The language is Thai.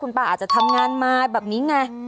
ป้าอาจจะทำงานมาแบบนี้ไง